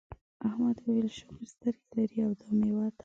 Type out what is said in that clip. احمد وویل شکر سترګې لرې او دا میوه ده.